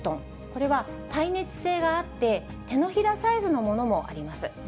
これは耐熱性があって、手のひらサイズのものもあります。